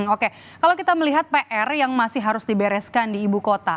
oke kalau kita melihat pr yang masih harus dibereskan di ibu kota